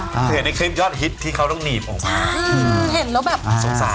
เห็นในคลิปยอดฮิตที่เค้าต้องหนีบออกมา